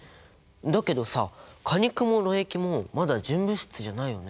だけどさ果肉もろ液もまだ純物質じゃないよね。